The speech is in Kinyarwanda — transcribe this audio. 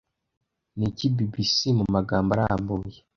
Niki BBS mumagambo arambuye